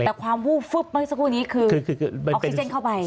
แต่ความวูบฟึบเมื่อสักครู่นี้คือออกซิเจนเข้าไป